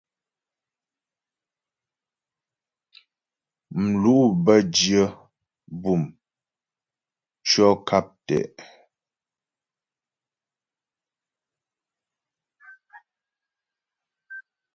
Mlu' bə́ dyə bûm tʉɔ̂ nkap tɛ'.